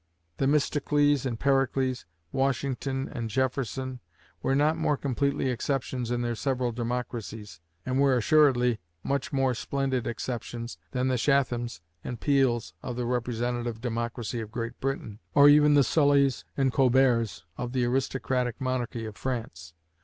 Themistocles and Pericles, Washington and Jefferson, were not more completely exceptions in their several democracies, and were assuredly much more splendid exceptions, than the Chathams and Peels of the representative aristocracy of Great Britain, or even the Sullys and Colberts of the aristocratic monarchy of France.